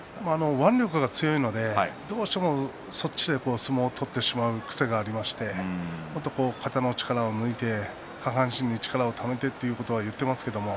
腕力が強いので途中で相撲を取ってしまう癖がありますのでもっと肩の方の力を抜いて下半身に力をためてということを言っています。